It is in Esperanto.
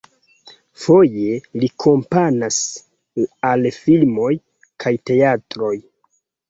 Foje li komponas al filmoj kaj teatroj.